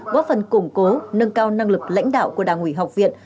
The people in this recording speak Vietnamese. góp phần củng cố nâng cao năng lực lãnh đạo của đảng ủy học viện